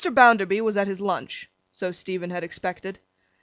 Bounderby was at his lunch. So Stephen had expected.